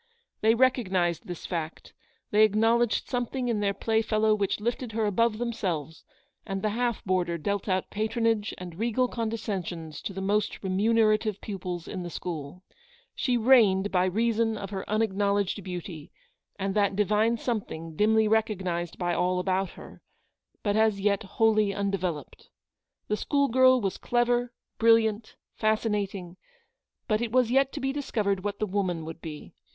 They recognised this fact, they ac knowledged something in their playfellow which lifted her above themselves, and the half boarder dealt out patronage and regal condescensions to the most remunerative pupils in the school. She reigued by reason of her unacknowledged beauty, and that divine something, dimly recognised by all about her, but as yet wholly undeveloped. The school girl was clever, brilliant, fascinating, but it was yet to be discovered what the woman would be.